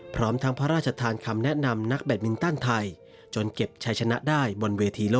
พร้อมทางพระราชทานคำแนะนำนักแบตมินตันไทย